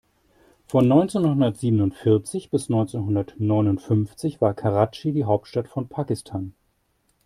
Von neunzehnhundertsiebenundvierzig bis neunzehnhundertneunundfünfzig war Karatschi die Hauptstadt von Pakistan.